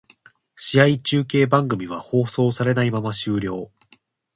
試合中継番組は放送されないまま終了